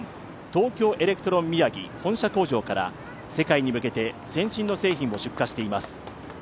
東京エレクトロン宮城本社工場から世界に向けて先進の製品を出荷しています。